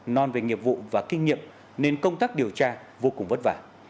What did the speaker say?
non về nghiệp vụ và kinh nghiệm nên công tác điều tra vô cùng vất vả